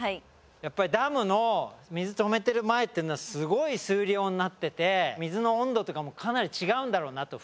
やっぱりダムの水止めてる前っていうのはすごい水量になってて水の温度とかもかなり違うんだろうなと。